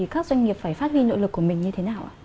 các doanh nghiệp phải phát huy nội lực của mình như thế nào ạ